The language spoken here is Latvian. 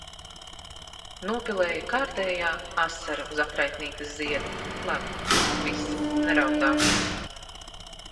Nopilēja kārtēja asara uz atraitnītes zieda. Labi, viss, neraudāšu.